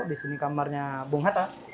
di sini kamarnya bung hatta